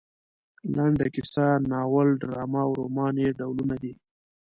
لنډه کیسه ناول ډرامه او رومان یې ډولونه دي.